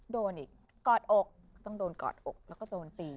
โดนอีกกอดอกต้องโดนกอดอกแล้วก็โดนตี